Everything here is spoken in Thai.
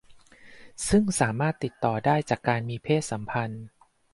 ซึ่งสามารถติดต่อได้จากการมีเพศสัมพันธ์